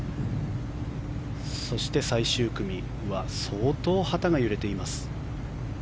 そして、最終組は相当、旗が揺れています。